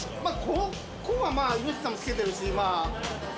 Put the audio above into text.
ここはまあ命綱もつけてるし。